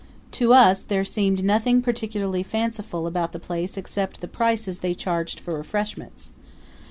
To us there seemed nothing particularly fanciful about the place except the prices they charged for refreshments.